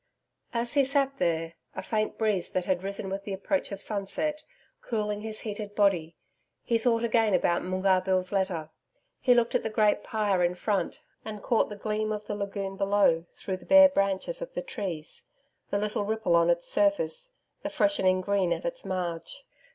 As he sat there a faint breeze that had risen with the approach of sunset, cooling his heated body he thought again about Moongarr Bill's letter. He looked at the great pyre in front, and caught the gleam of the lagoon below through the bare branches of the trees the little ripple on its surface, the freshening green at its marge.